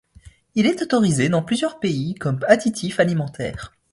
Il est autorisé dans plusieurs pays comme additif alimentaire.